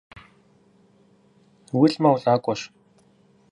УлӀмэ, улӀакъуэщ.